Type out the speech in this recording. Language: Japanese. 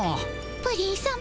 プリンさま